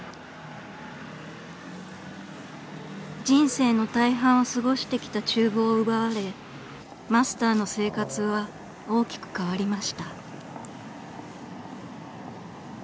［人生の大半を過ごしてきた厨房を奪われマスターの生活は大きく変わりました］